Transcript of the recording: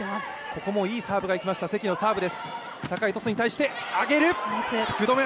ここもいいサーブがいきました、関のサーブ。